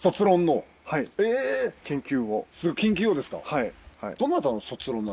はい。